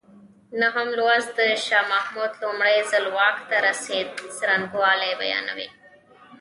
نهم لوست د شاه محمود لومړی ځل واک ته رسېدو څرنګوالی بیانوي.